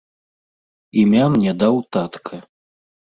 Імя мне даў татка.